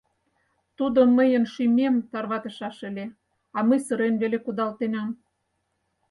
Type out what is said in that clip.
Тудо мыйын шӱмем тарватышаш ыле, а мый сырен веле кудалтенам…